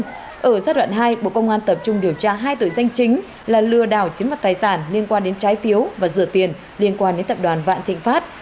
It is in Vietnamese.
trong giai đoạn hai bộ công an tập trung điều tra hai tội danh chính là lừa đảo chiếm mặt tài sản liên quan đến trái phiếu và rửa tiền liên quan đến tập đoàn vạn thịnh pháp